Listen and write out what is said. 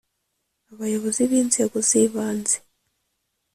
abayobozi b’inzego z’ibanze